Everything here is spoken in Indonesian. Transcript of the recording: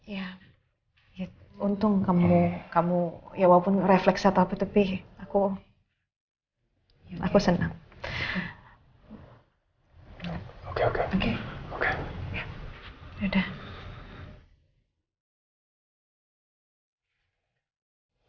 ya untung kamu ya walaupun refleks atau apa lebih aku senang